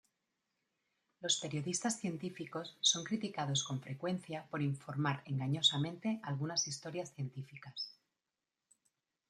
Los periodistas científicos son criticados con frecuencia por informar engañosamente algunas historias científicas.